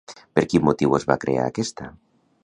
Per quin motiu es va crear aquesta?